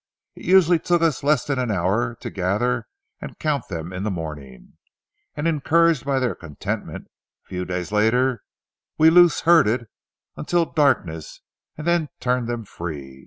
It usually took us less than an hour to gather and count them in the morning, and encouraged by their contentment, a few days later, we loose herded until darkness and then turned them free.